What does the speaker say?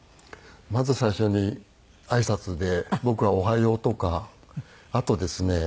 まず最初に挨拶で僕は「おはよう」とかあとですね